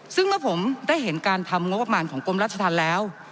ซึ่งเมื่อผมได้เห็นการทำงบประมาณของกรมราชธรรมแล้ว